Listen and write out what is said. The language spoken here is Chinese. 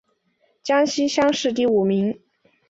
江西乡试第五名。